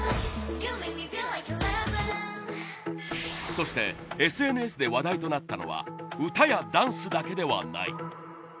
そしてＳＮＳで話題となったのは歌やダンスだけではない。